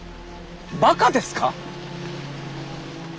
バカですか？